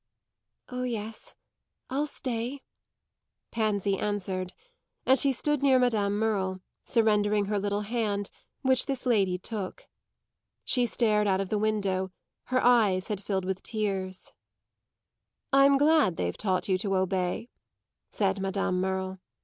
"Oh yes, I'll stay," Pansy answered; and she stood near Madame Merle, surrendering her little hand, which this lady took. She stared out of the window; her eyes had filled with tears. "I'm glad they've taught you to obey," said Madame Merle.